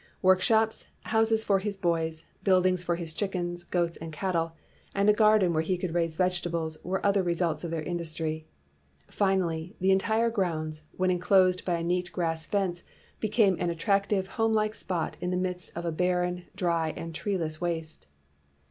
Workshops, houses for his boys, buildings for his chickens, goats, and cattle, and .a garden where he could raise vegetables were other results of their industry. Finally, the entire grounds, when enclosed by a neat grass fence, became an attractive homelike spot in the midst of a barren, dry, and tree less waste.